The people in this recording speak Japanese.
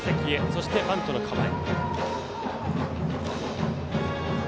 そしてバントの構え。